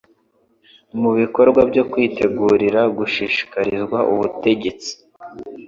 mu bikorwa byo kwitegurira gushikirizwa ubutegetsi